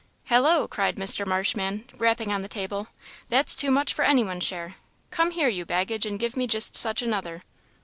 "Hallo!" cried Mr. Marshman, rapping on the table; "that's too much for any one's share. Come here, you baggage, and give me just such another."